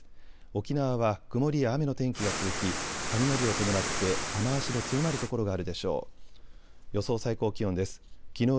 沖縄は曇りや雨の天気が続き雷を伴って雨足の強まる所があるでしょう。